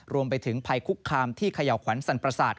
รวมไปถึงภัยคุกคามที่เขย่าขวัญสันประสาท